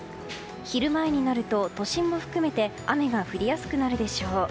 昼前になると都心も含めて雨が降りやすくなるでしょう。